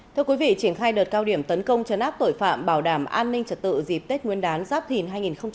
thưa quý vị triển khai đợt cao điểm tấn công chấn áp tội phạm bảo đảm an ninh trật tự dịp tết nguyên đán giáp thìn hai nghìn hai mươi bốn